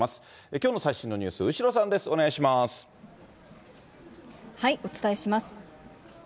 きょうの最新のニュース、後呂さお伝えします。